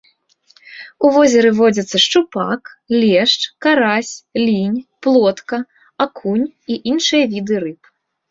У возеры водзяцца шчупак, лешч, карась, лінь, плотка, акунь і іншыя віды рыб.